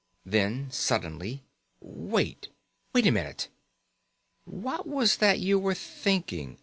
Then suddenly: "Wait! Wait a minute! What was that you were thinking?